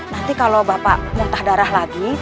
nanti kalau bapak muntah darah lagi